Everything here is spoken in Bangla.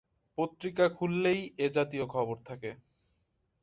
পত্রিকা খুললেই এ জাতীয় খবর থাকে।